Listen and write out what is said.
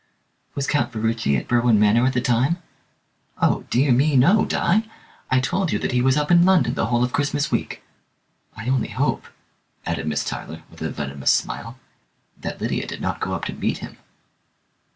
"Was Count Ferruci at Berwin Manor at the time?" "Oh, dear me, no, Di! I told you that he was up in London the whole of Christmas week. I only hope," added Miss Tyler, with a venomous smile, "that Lydia did not go up to meet him."